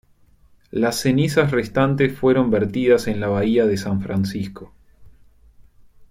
Las cenizas restantes fueron vertidas en la bahía de San Francisco.